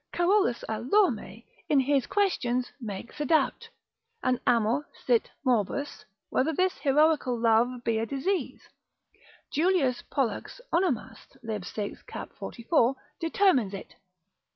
Carolus a Lorme, in his Questions, makes a doubt, An amor sit morbus, whether this heroical love be a disease: Julius Pollux Onomast. lib. 6. cap. 44. determines it.